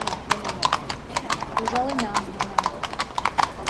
— Ужаленам, — манам.